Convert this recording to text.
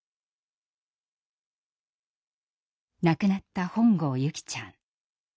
亡くなった本郷優希ちゃん。